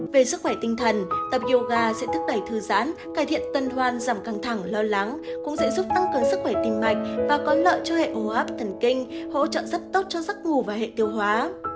về sức khỏe tinh thần tập yoga sẽ thúc đẩy thư giãn cải thiện tân hoan giảm căng thẳng lo lắng cũng sẽ giúp tăng cường sức khỏe tim mạch và có lợi cho hệ hô hấp thần kinh hỗ trợ rất tốt cho giấc ngủ và hệ tiêu hóa